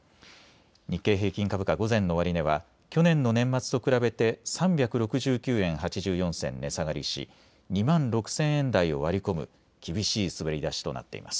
日経平均株価午前の終値は去年の年末と比べて３６９円８４銭値下がりし２万６０００円台を割り込む厳しい滑り出しとなっています。